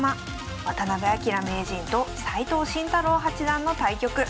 渡辺明名人と斎藤慎太郎八段の対局。